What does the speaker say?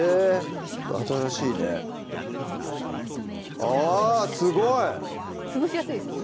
ちょっと新しいねあぁすごい！潰しやすいですよね